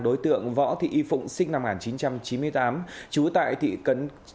đối tượng võ thị y phụng sinh năm một nghìn chín trăm chín mươi tám